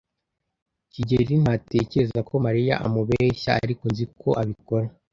kigeli ntatekereza ko Mariya amubeshya, ariko nzi ko abikora.